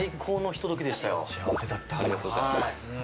ありがとうございます。